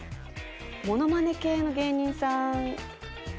物まね系の芸人さん。